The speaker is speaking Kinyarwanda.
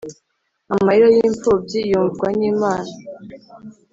amarira y’impfubyi yumvwa n’imana,